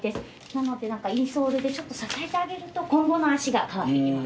なのでインソールで支えてあげると今後の足が変わってきます。